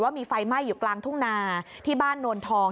มีไฟไหม้อยู่กลางทุ่งนาที่บ้านโนนทอง